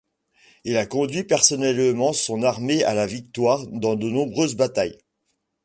Il a conduit personnellement son armée à la victoire dans de nombreuses batailles.